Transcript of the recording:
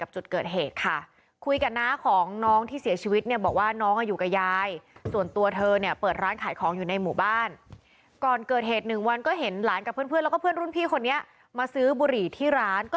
โชว์ช่วยตำรวจว่างยุคมีขึ้น